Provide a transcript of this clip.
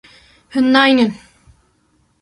Hûn nayînin.